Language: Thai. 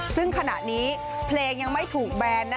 ซึ่งขณะนี้เพลงยังไม่ถูกแบน